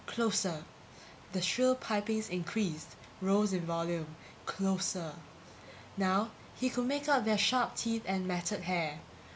Closer. The shrill pipings increased, rose in volume. Closer. Now he could make out their sharp teeth and matted hair.